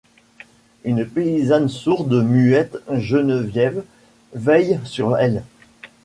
Une paysanne sourde-muette, Geneviève, veille sur elle.